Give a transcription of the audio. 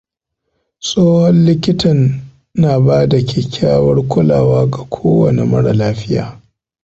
Tsohon likitan na bada kyakkyawar kulawa ga kowane mara lafiya.